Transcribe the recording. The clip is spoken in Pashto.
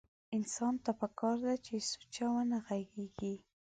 انسان ته پکار ده بې سوچه ونه غږېږي.